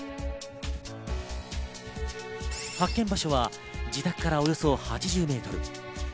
発見場所は自宅からおよそ８０メートル。